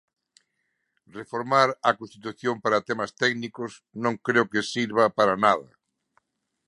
Reformar a Constitución para temas técnicos non creo que sirva para nada.